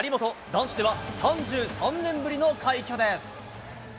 男子では３３年ぶりの快挙です。